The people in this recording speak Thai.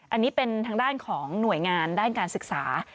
อันนี้เป็นทางด้านของหน่วยงานด้านการศึกษา